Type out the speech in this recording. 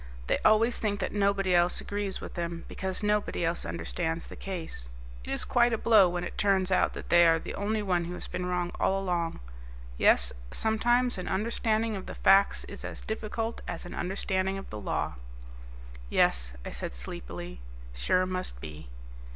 They always think that nobody else agrees with them because nobody else understands the case. It is quite a blow when it turns out that they are the one who has been wrong all along. Yes, sometimes an understanding of the facts is as difficult as an understanding of the law." "Yes," I said sleepily. "Sure must be."